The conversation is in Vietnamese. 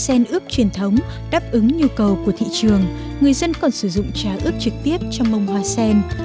chèn ướp truyền thống đáp ứng nhu cầu của thị trường người dân còn sử dụng trà ướp trực tiếp trong mông hoa sen